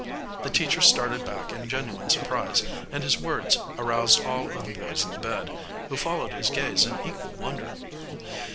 The teacher started back in genuine surprise, and his words aroused all of the boys in the beds, who followed his gaze in equal wonder.